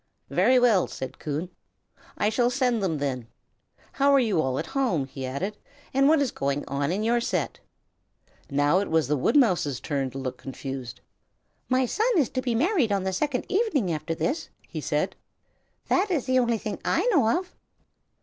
"Very well," said Coon, "I shall send them, then. How are you all at home?" he added, "and what is going on in your set?" Now it was the woodmouse's turn to look confused. "My son is to be married on the second evening after this," he said. "That is the only thing I know of."